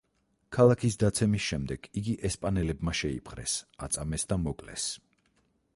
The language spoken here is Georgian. ქალაქის დაცემის შემდეგ იგი ესპანელებმა შეიპყრეს, აწამეს და მოკლეს.